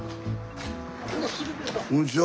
こんにちは。